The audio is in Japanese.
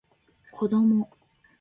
子供